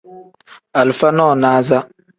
Alifa nonaza.